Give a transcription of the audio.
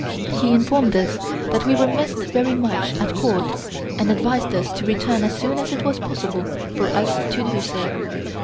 He informed us that we were missed very much at Court and advised us to return as soon as it was possible for us to do so.